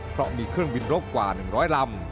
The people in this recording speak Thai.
เพราะมีเครื่องบินรบกว่า๑๐๐ลำ